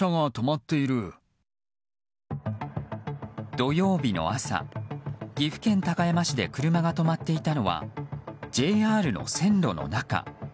土曜日の朝、岐阜県高山市で車が止まっていたのはＪＲの線路の中。